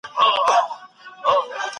ما مځکي ته کتلې دي.